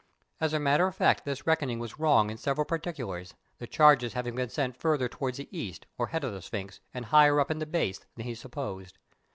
As a matter of fact this reckoning was wrong in several particulars, the charges having been set farther toward the east or head of the sphinx and higher up in the base than he supposed.